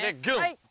はい！